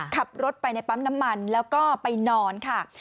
ขับรถไปในปั๊มน้ำมันแล้วก็ไปนอนค่ะ